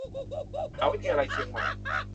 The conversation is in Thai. มหาวิทยาลัยเชียงใหม่